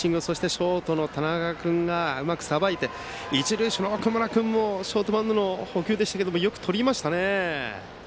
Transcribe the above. ショートの田中君がうまくさばいて一塁手の奥村君もショートバウンドの捕球でしたけどよくとりましたね。